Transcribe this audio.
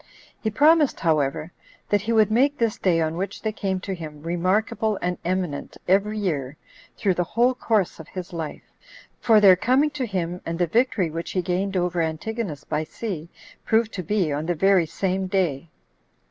He promised, however, that he would make this day on which they came to him remarkable and eminent every year through the whole course of his life; for their coming to him, and the victory which he gained over Antigonus by sea, proved to be on the very same day.